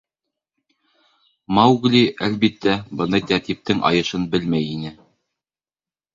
Маугли, әлбиттә, бындай тәртиптең айышын белмәй ине.